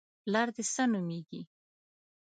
_پلار دې څه نومېږي؟